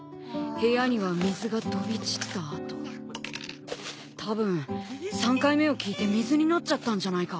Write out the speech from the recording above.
「部屋には水が飛び散ったあと」たぶん３回目を聞いて水になっちゃったんじゃないか？